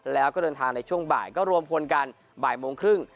แล้วก็เดินทางในช่วงบ่ายก็รวมพลกันบ่ายโมงครึ่ง